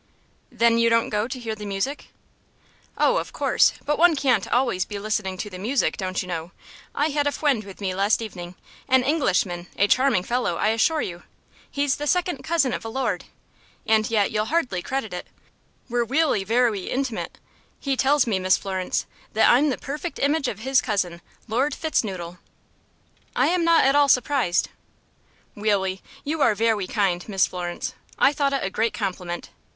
"Then you don't go to hear the music?" "Oh, of course, but one can't always be listening to the music, don't you know. I had a fwiend with me last evening an Englishman a charming fellow, I assure you. He's the second cousin of a lord, and yet you'll hardly credit it we're weally vewy intimate. He tells me, Miss Florence, that I'm the perfect image of his cousin, Lord Fitz Noodle." "I am not at all surprised." "Weally, you are vewy kind, Miss Florence. I thought it a great compliment.